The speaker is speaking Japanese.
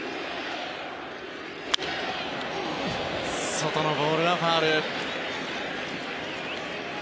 外のボールはファウル。